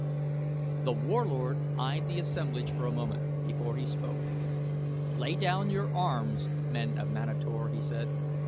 The Warlord eyed the assemblage for a moment before he spoke. "Lay down your arms, men of Manator," he said.